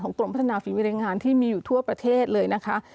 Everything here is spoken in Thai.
กรมพัฒนาฝีมือแรงงานที่มีอยู่ทั่วประเทศเลยนะคะ